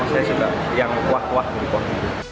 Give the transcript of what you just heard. saya juga yang kuah kuah